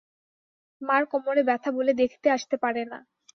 মার কোমরে ব্যথা বলে দেখতে আসতে পারে না।